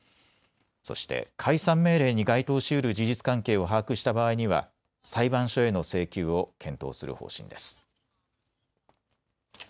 そして解散命令に該当しうる事実関係を把握した場合には裁判所への請求を検討する方針です。